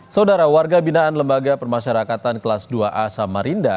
saudara warga binaan lembaga permasyarakatan kelas dua a samarinda